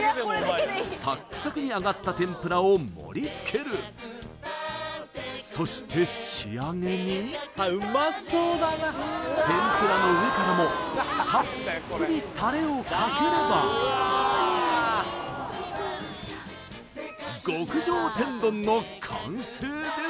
サックサクに揚がった天ぷらを盛りつけるそして仕上げに天ぷらの上からもたっぷりタレをかければ極上天丼の完成です